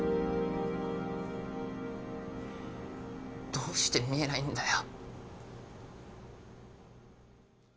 どうして見えないんだよ